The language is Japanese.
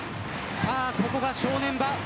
ここが正念場。